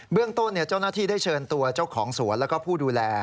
เรื่องต้นเจ้าหน้าที่ได้เชิญตัวเจ้าของสวนแล้วก็ผู้ดูแล